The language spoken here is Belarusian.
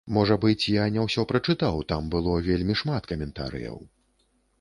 Можа быць, я не ўсё прачытаў, там было вельмі шмат каментарыяў.